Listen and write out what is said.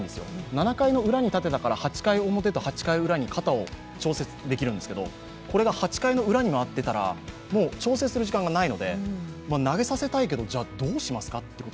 ７回のウラに立てたから肩を調節できるんですけど、これが８回のウラに回っていたら調節する時間がないので、投げさせたいけどどうしますかと。